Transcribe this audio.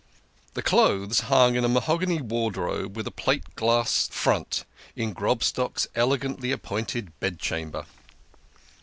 The clothes hung in a mahogany wardrobe with a plate glass front in Grobstock's elegantly appointed bedchamber.